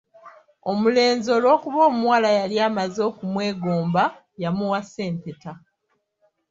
"Omulenzi olw’okuba omuwala yali amaze okumwegomba, yamuwasa empeta."